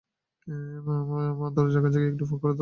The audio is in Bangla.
মা দরজার কাছে গিয়ে একটু ফাঁক করে তাকালেন।